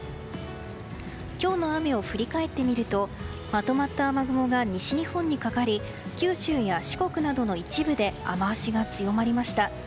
今日の雨を振り返ってみるとまとまった雨雲が西日本にかかり九州や四国などの一部で雨脚が強まりました。